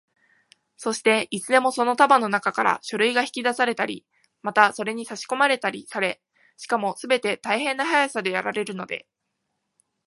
そして、いつでもその束のなかから書類が引き出されたり、またそれにさしこまれたりされ、しかもすべて大変な速さでやられるので、